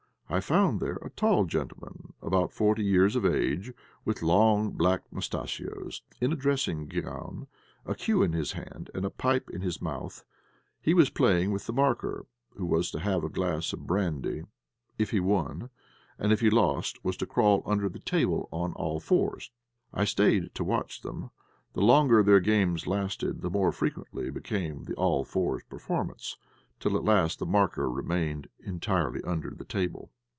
I found there a tall gentleman, about forty years of age, with long, black moustachios, in a dressing gown, a cue in his hand, and a pipe in his mouth. He was playing with the marker, who was to have a glass of brandy if he won, and, if he lost, was to crawl under the table on all fours. I stayed to watch them; the longer their games lasted, the more frequent became the all fours performance, till at last the marker remained entirely under the table.